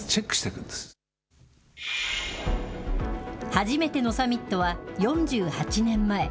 初めてのサミットは４８年前。